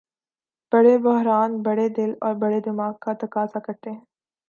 بڑے بحران بڑے دل اور بڑے دماغ کا تقاضا کرتے ہیں۔